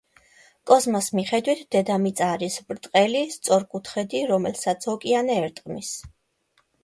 კოზმას მიხედვით, დედამიწა არის ბრტყელი სწორკუთხედი, რომელსაც ოკეანე ერტყმის.